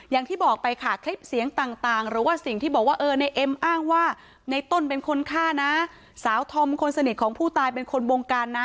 อย่างที่บอกไปค่ะคลิปเสียงต่างหรือว่าสิ่งที่บอกว่าเออในเอ็มอ้างว่าในต้นเป็นคนฆ่านะสาวธอมคนสนิทของผู้ตายเป็นคนวงการนะ